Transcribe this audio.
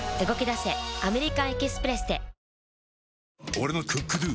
俺の「ＣｏｏｋＤｏ」！